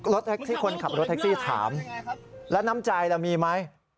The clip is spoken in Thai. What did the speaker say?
ที่คนขับรถแท็กซี่ถามแล้วน้ำใจเรามีไหม